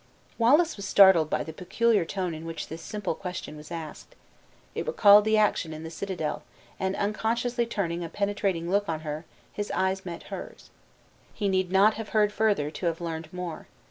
Wallace was startled by the peculiar tone in which this simple question was asked. It recalled the action in the citadel, and, unconsciously turning a penetrating look on her, his eyes met hers. He need not have heard further to have learned more.